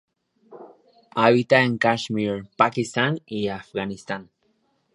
Habita en Kashmir, Pakistán y en Afganistán.